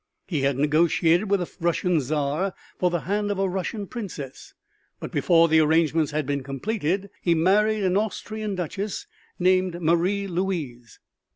He had negotiated with the Russian Czar for the hand of a Russian princess, but before the arrangements had been completed he married an Austrian duchess named Marie Louise.